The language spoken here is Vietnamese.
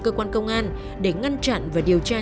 cơ quan công an để ngăn chặn và điều tra